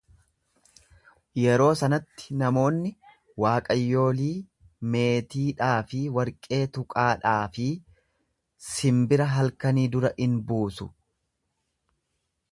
Yeroo sanatti namoonni waaqayyolii meetiidhaa fi warqee tuqaadhaa fi simbira-halkanii dura in buusu.